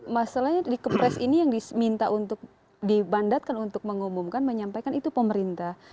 masalahnya di kepres ini yang diminta untuk dibandatkan untuk mengumumkan menyampaikan itu pemerintah